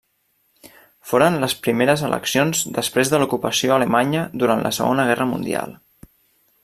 Foren les primeres eleccions després de l'ocupació alemanya durant la Segona Guerra Mundial.